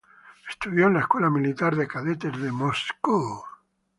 Estudió en la Escuela militar de cadetes de Moscú.